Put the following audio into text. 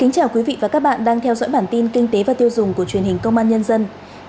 chào mừng quý vị đến với bản tin kinh tế và tiêu dùng của truyền hình công an nhân dân